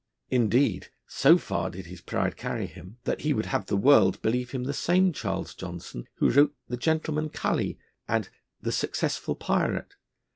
Indeed, so far did his pride carry him, that he would have the world believe him the same Charles Johnson, who wrote The Gentleman Cully and The Successful Pyrate.